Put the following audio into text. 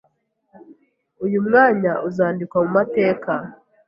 Uyu mwanya uzandikwa mumateka.